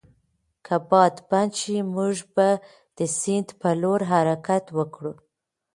که باد بند شي، موږ به د سیند پر لور حرکت وکړو.